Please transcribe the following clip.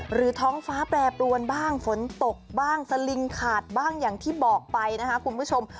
ท้องฟ้าแปรปรวนบ้างฝนตกบ้างสลิงขาดบ้างอย่างที่บอกไปนะคะคุณผู้ชม